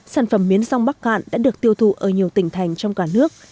sản phẩm miến rong bắc cạn đã được tiêu thụ ở nhiều tỉnh thành trong cả nước